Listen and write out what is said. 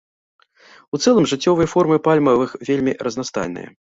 У цэлым жыццёвыя формы пальмавых вельмі разнастайныя.